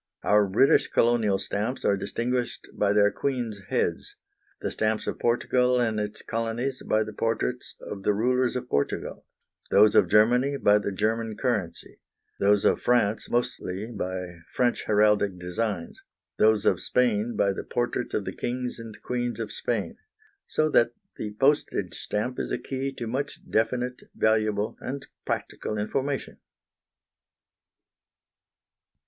Our British colonial stamps are distinguished by their Queen's heads; the stamps of Portugal and its colonies by the portraits of the rulers of Portugal; those of Germany by the German currency; those of France mostly by French heraldic designs; those of Spain by the portraits of the kings and queens of Spain. So that the postage stamp is a key to much definite, valuable, and practical information.